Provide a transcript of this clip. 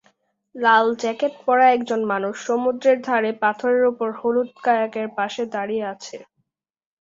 লাল jacket পরা একজন মানুষ সমুদ্রের ধারে পাথরের উপর হলুদ কায়াকের পাশে দাঁড়িয়ে আছে।